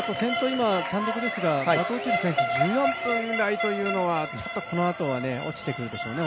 今、単独ですがバトオチル選手、１４分台というのはちょっとこのあとは、落ちてくると思います。